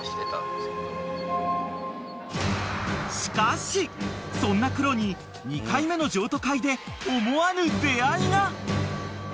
［しかしそんなクロに２回目の譲渡会で思わぬ出合いが］